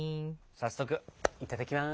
早速いただきます。